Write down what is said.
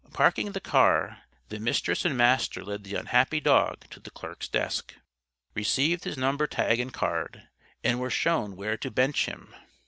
Parking the car, the Mistress and Master led the unhappy dog to the clerk's desk; received his number tag and card, and were shown where to bench him.